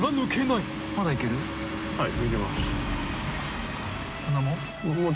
はい。